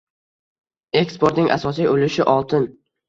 Eksportning asosiy ulushi oltin;